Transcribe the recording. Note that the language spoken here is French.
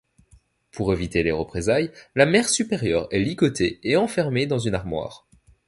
Pour éviter les représailles, la mère supérieure est ligotée et enfermée dans une armoire.